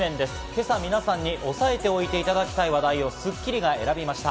今朝皆さんに押さえておいていただきたい話題を『スッキリ』が選びました。